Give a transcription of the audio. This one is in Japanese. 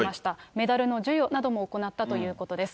メダルの授与なども行ったということです。